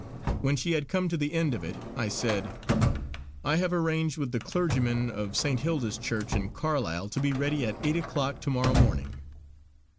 When she had come to the end of it I said: "I have arranged with the clergyman of St. Hilda's Church in Carlisle to be ready at eight o'clock to morrow morning."